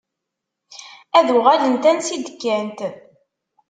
Ad uɣalent ansa i d-kkant.